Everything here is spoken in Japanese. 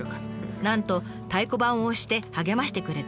なんと太鼓判を押して励ましてくれた親方。